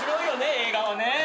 映画はね。